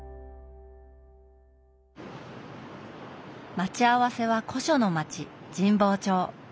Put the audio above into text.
待ち合わせは古書の町神保町。